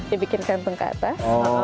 ya bikin kantung ke atas